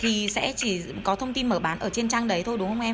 thì sẽ chỉ có thông tin mở bán ở trên trang đấy thôi đúng không ạ